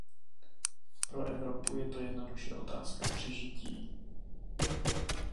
Pro Evropu je to jednoduše otázka přežití.